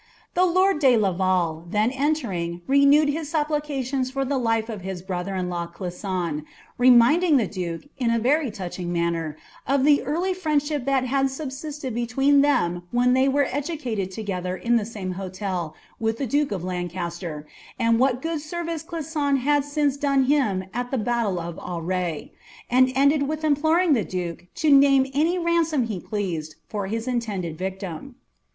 The lord de Laval, then entering, renewed his supplications for the life of his brother in law Clisson, reminding the duke, in a very touching manner, of the early friendship that had subsisted between them when they were educated together in tlie same hotel with the duke of Lancaster, and what good service Clisson had since done him at the battle of Auray ; and ended with imploring the duke to name any ransom he pleased for his intended victim.